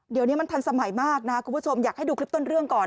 เดี๋ยวนี้มันทันสมัยมากนะคุณผู้ชมอยากให้ดูคลิปต้นเรื่องก่อน